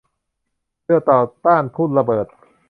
เรือต่อต้านทุ่นระเบิด